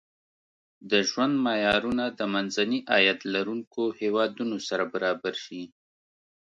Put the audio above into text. د ژوند معیارونه د منځني عاید لرونکو هېوادونو سره برابر شي.